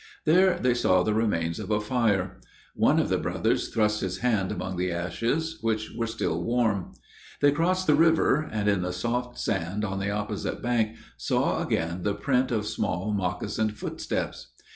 There they saw the remains of a fire. One of the brothers thrust his hand among the ashes, which were still warm. They crossed the river; and, in the soft sand on the opposite bank, saw again the print of small, moccasined footsteps.